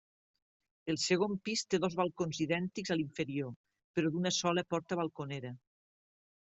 El segon pis té dos balcons idèntics a l'inferior, però d'una sola porta balconera.